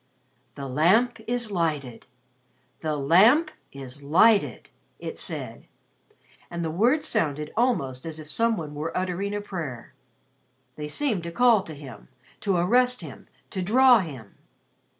"The Lamp is lighted. The Lamp is lighted," it said, and the words sounded almost as if some one were uttering a prayer. They seemed to call to him, to arrest him, to draw him.